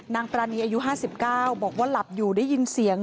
ปรานีอายุ๕๙บอกว่าหลับอยู่ได้ยินเสียง